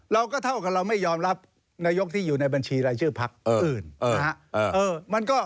เราก็เท่ากับเราไม่ยอมรับนายกที่อยู่ในบัญชีรายชื่อภักดิ์อื่น